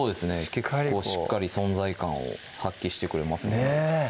結構しっかり存在感を発揮してくれますね